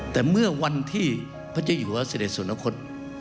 แต่เมื่อวันที่พระเจ้าอยู่ว่าเสด็จสวรรคต